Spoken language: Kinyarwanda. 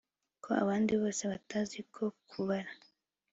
Ko abandi bose batazi ko kubara